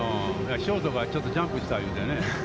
ショートがちょっとジャンプってね。